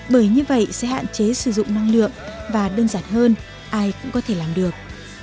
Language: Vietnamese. bởi như vậy sẽ hạn chế sử dụng năng lượng và đơn giản hơn ai cũng có thể làm được